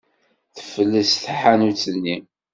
Tefles tḥanut-nni.